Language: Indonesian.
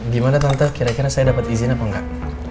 gimana tante kira kira saya dapat izin apa enggak